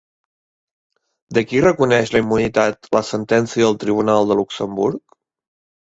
De qui reconeix la immunitat la sentència del Tribunal de Luxemburg?